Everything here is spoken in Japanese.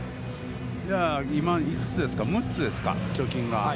今幾つですか、６つですか、貯金が。